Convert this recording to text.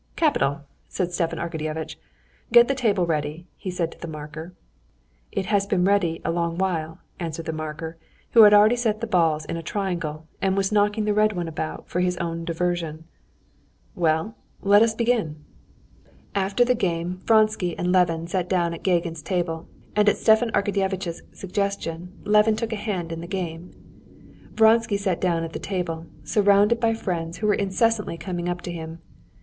Capital!" said Stepan Arkadyevitch. "Get the table ready," he said to the marker. "It has been ready a long while," answered the marker, who had already set the balls in a triangle, and was knocking the red one about for his own diversion. "Well, let us begin." After the game Vronsky and Levin sat down at Gagin's table, and at Stepan Arkadyevitch's suggestion Levin took a hand in the game. Vronsky sat down at the table, surrounded by friends, who were incessantly coming up to him.